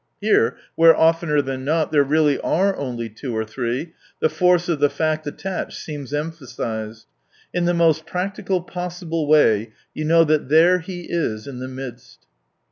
Here, where oftener than not, there really are only " two or three," the force of the fact attached seems emphasised. In the most practical possible way, you know that there He is, in the midst.